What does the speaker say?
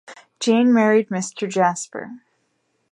Jane married Mr. Jasper.